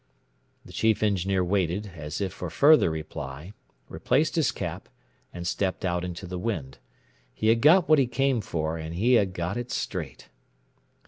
The Chief Engineer waited, as if for further reply, replaced his cap, and stepped out into the wind. He had got what he came for, and he had got it straight.